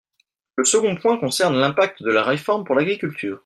Le second point concerne l’impact de la réforme pour l’agriculture.